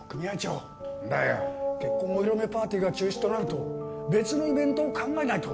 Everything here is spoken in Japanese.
結婚お披露目パーティーが中止となると別のイベントを考えないと。